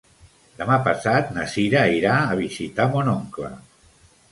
Demà passat na Cira irà a visitar mon oncle.